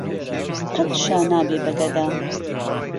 قەت شا نابێ بە گهدا